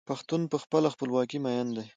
پښتون په خپله خپلواکۍ مین دی.